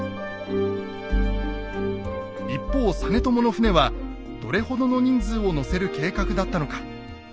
一方実朝の船はどれほどの人数を乗せる計画だったのか。